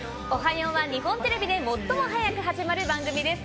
４は日本テレビで最も早く始まる番組です。